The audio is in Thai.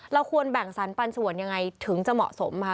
ควรแบ่งสรรปันส่วนยังไงถึงจะเหมาะสมค่ะ